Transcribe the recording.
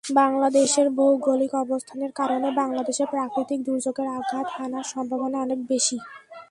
বাংলাদেশের ভৌগোলিক অবস্থানের কারণে বাংলাদেশে প্রাকৃতিক দুর্যোগের আঘাত হানার সম্ভাবনা অনেক বেশি।